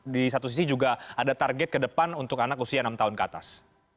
di satu sisi juga ada target ke depan untuk anak usia enam tahun ke atas